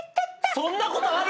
そんなことある！？